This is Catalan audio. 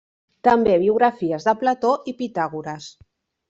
També biografies de Plató i Pitàgores.